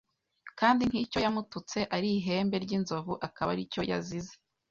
kandi nk' icyo yamututse ari ihembe ry' inzovu akaba ari cyo yazize